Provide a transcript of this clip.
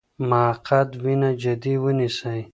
مقعد وینه جدي ونیسئ.